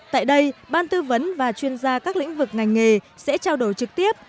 tại đây ban tư vấn và chuyên gia các lĩnh vực ngành nghề sẽ trao đổi trực tiếp